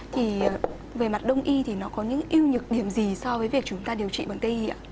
thì về mặt đông y thì nó có những ưu nhược điểm gì so với việc chúng ta điều trị bằng cây ạ